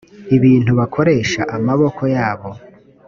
ibintu bakoresha amaboko yabo